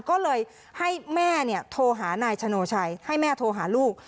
ก็เลยให้แม่โทรหานายชโนชัยให้แม่โทรหาลูก